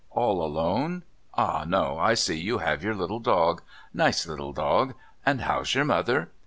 "All alone? Ah, no, I see you have your little dog. Nice little dog. And how's your mother?"